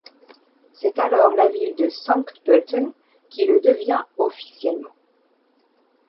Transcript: C'est alors la ville de Sankt Pölten qui le devient officiellement.